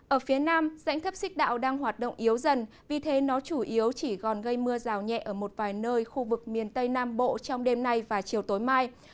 ở phía nam dãnh thấp xích đạo đang hoạt động yếu dần vì thế nó chủ yếu chỉ còn gây mưa rào nhẹ ở một vài nơi khu vực miền tây nam bộ trong đêm nay và chiều tối mai